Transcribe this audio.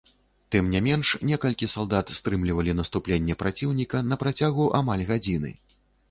Тым не менш, некалькі салдат стрымлівалі наступленне праціўніка на працягу амаль гадзіны.